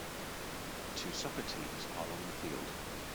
Two soccer teams are on the field.